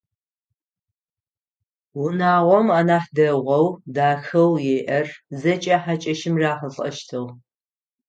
Унагъом анахь дэгъоу, дахэу иӏэр зэкӏэ хьакӏэщым рахьылӏэщтыгъ.